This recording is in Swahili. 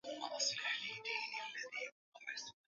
Wakati huo jamaa walikuwa wakimkosa kosa kwa risasi zao